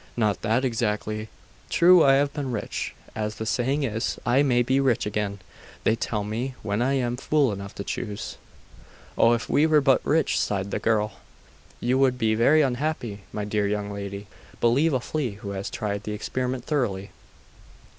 'Not that exactly. True, I have been rich, as the saying is; I may be rich again, they tell me, when I am fool enough to choose.' 'Oh if we were but rich!' sighed the girl. 'You would be very unhappy, my dear young lady. Believe a flea who has tried the experiment thoroughly.